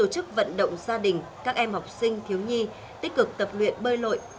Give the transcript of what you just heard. chức vận động gia đình các em học sinh thiếu nhi tích cực tập luyện bơi lội